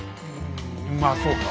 まあそうか。